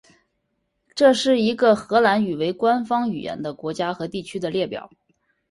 这是一个以荷兰语为官方语言的国家和地区的列表。